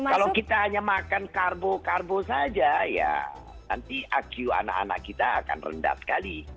kalau kita hanya makan karbo karbo saja ya nanti iq anak anak kita akan rendah sekali